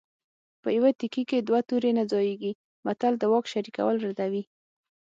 په یوه تیکي کې دوه تورې نه ځاییږي متل د واک شریکول ردوي